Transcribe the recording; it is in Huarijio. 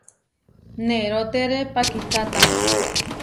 Nerótere pakikáta.